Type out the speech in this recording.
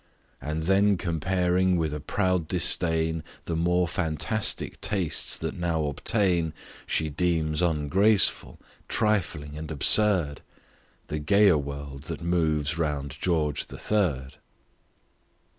And then comparing with a proud disdain The more fantastic tastes that now obtain, She deems ungraceful, trifling and absurd, The gayer world that moves round George the Third.